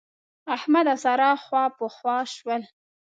احمد او سارا خواپخوا شول.